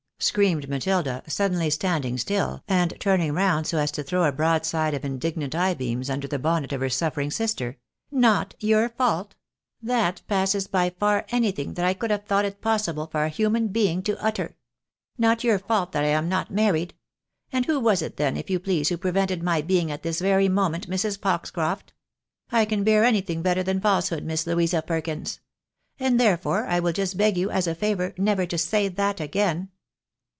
" screamed Matilda, suddenly stand ing still, and turning round so as to throw a broadside of indignant eye beams under the bonnet of her suffering sister ;" not your fault ? That passes by far anything that I could have thought it possible for a human being to utter ! Not your fault that I am not married! And who was it then, if you please, who prevented my being at this very moment Mrs. Foxcroft ? I can bear anything better than falsehood, Miss Louisa Perkins. And, therefore, I will just beg you, as a favour, never to say that again."